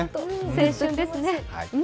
青春ですね。